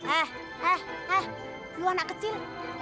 eh eh eh lu anak kecil